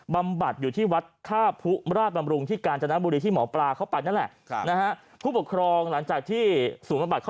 บำบัดอยู่ที่วัดข้าพุ์ราชบำรุงที่การจนบุรีที่หมอปลาเขาไปอยู่นั่นแหละ